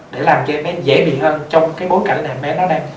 để làm cho em bé dễ bị hơn trong cái bối cảnh này em bé nó đang nín